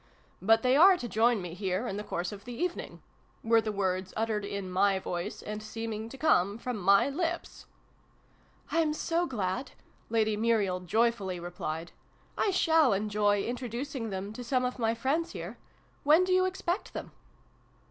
" but they are to join me here in the course of the even ing " were the words, uttered in my voice, and seeming to come from my lips. " I'm so glad !" Lady Muriel joyfully replied. " I shall enjoy introducing them to some of my friends here ! When do you expect them